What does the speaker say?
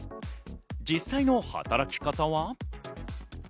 実際の働き方は？